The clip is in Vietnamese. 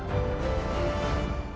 hẹn gặp lại